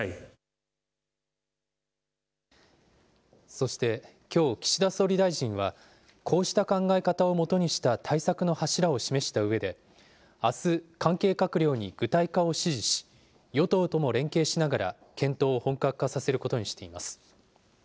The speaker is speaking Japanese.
そしてきょう、岸田総理大臣はこうした考え方をもとにした対策の柱を示したうえで、あす、関係閣僚に具体化を指示し、与党とも連携しながら、検討を本格化させることにしています。